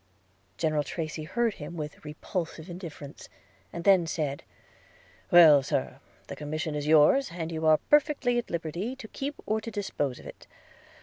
General Tracy heard him with repulsive indifference, and then said – 'Well, Sir, the commission is yours, and you are perfectly at liberty to keep or to dispose of it.